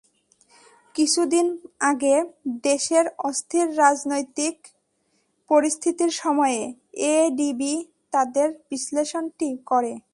কিছুদিন আগে দেশের অস্থির রাজনৈতিক পরিস্থিতির সময়ে এডিবি তাদের বিশ্লেষণটি করে।